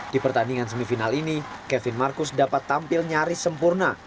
di pertandingan semifinal ini kevin marcus dapat tampil nyaris sempurna